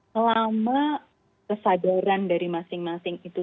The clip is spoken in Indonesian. selama kesadaran dari masing masing itu